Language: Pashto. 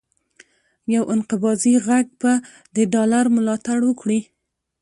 یو انقباضي غږ به د ډالر ملاتړ وکړي،